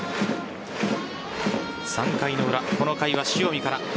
３回の裏、この回は塩見から。